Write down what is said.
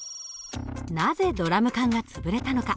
なぜドラム缶が潰れたのか。